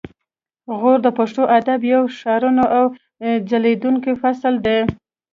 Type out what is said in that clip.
غور د پښتو ادب یو روښانه او ځلیدونکی فصل دی